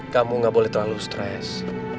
kamu gak boleh terlalu stres